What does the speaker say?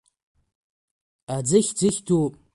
Аӡыхь ӡыхь дууп.